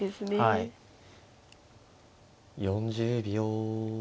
４０秒。